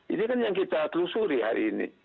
ini kan yang kita telusuri hari ini